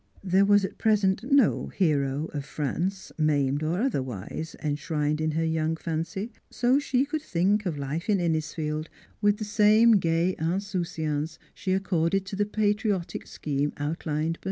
There was at present no hero of France, maimed or otherwise, enshrined in her young fancy, so she could think of life in Innisfield with the same gay insouciance she accorded to the patriotic scheme outlined by M.